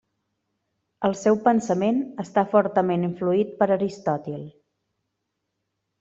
El seu pensament està fortament influït per Aristòtil.